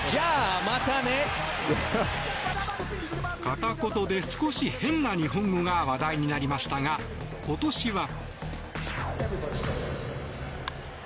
カタコトで少し変な日本語が話題になりましたが、今年は。